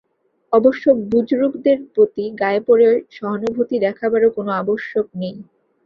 অবশ্য বুজরুকদের প্রতি গায়ে পড়ে সহানুভূতি দেখাবারও কোন আবশ্যক নেই।